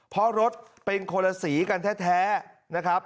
เพราะรถเป็นคนละสีกันแท้นะครับ